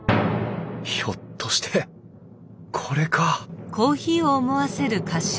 ひょっとしてこれか？